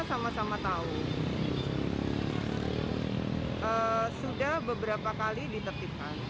kita sama sama tahu sudah beberapa kali ditetipkan